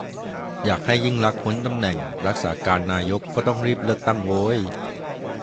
อยากให้ยิ่งลักษณ์พ้นตำแหน่งรักษาการนายก ก็ต้องรีบเลือกตั้ง โว้ย